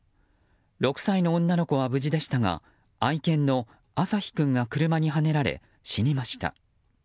６歳の女の子は無事でしたが愛犬の朝陽君が車にはねられ死にました。